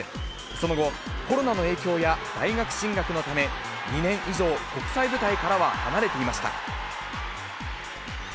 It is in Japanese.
その後、コロナの影響や大学進学のため、２年以上国際舞台からは離れていました。